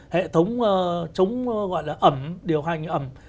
hệ thống chống gọi là ẩm điều hành ẩm